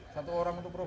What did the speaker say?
satu orang untuk meroboh